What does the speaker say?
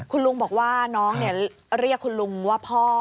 คุณลุงบอกว่าน้องเรียกคุณลุงว่าพ่อ